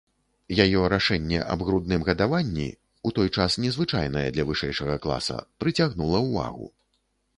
Яе рашэнне аб грудным гадаванні, у той час незвычайнае для вышэйшага класа, прыцягнула ўвагу.